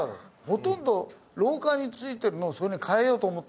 ほとんど廊下に付いてるのをそれに替えようと思ったの。